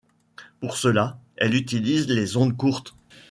Pour cela elle utilise les ondes courtes.